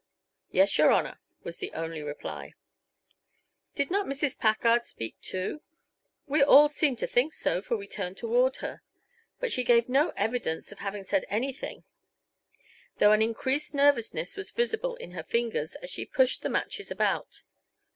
"Yes, your Honor," was the only reply. Did not Mrs. Packard speak, too? We all seemed to think so, for we turned toward her; but she gave no evidence of having said anything, though an increased nervousness was visible in her fingers as she pushed the matches about.